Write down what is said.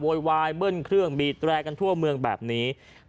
โวยวายบึ้นเครื่องบีแทรกกันทั่วเมืองแบบนี้